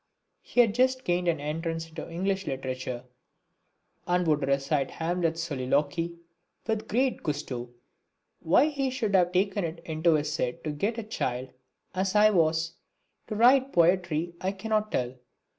He had just gained an entrance into English literature, and would recite Hamlet's soliloquy with great gusto. Why he should have taken it into his head to get a child, as I was, to write poetry I cannot tell.